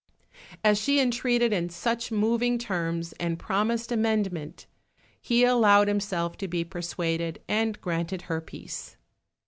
As she entreated in such moving terms, and promised amendment, he allowed himself to be persuaded and granted her peace.